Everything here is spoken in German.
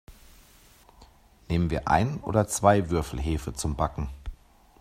Nehmen wir ein oder zwei Würfel Hefe zum Backen?